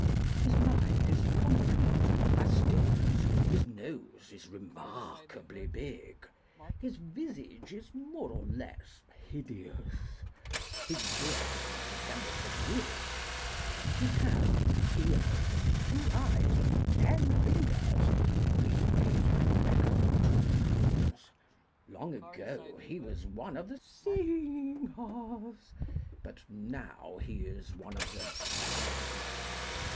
His mind is concrete and fastidious, His nose is remarkably big; His visage is more or less hideous, His beard it resembles a wig. He has ears, and two eyes, and ten fingers, Leastways if you reckon two thumbs; Long ago he was one of the singers, But now he is one of the dumbs.